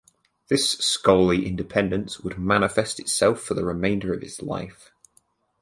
This scholarly independence would manifest itself for the remainder of his life.